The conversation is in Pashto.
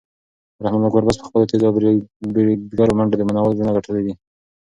رحمان الله ګربز په خپلو تېزو او بریدګرو منډو د مینوالو زړونه ګټلي دي.